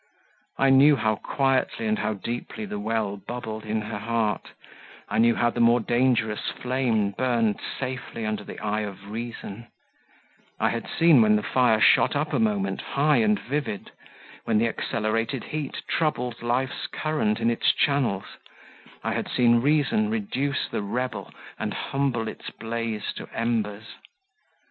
I knew how quietly and how deeply the well bubbled in her heart; I knew how the more dangerous flame burned safely under the eye of reason; I had seen when the fire shot up a moment high and vivid, when the accelerated heat troubled life's current in its channels; I had seen reason reduce the rebel, and humble its blaze to embers.